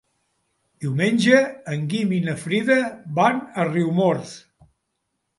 Diumenge en Guim i na Frida van a Riumors.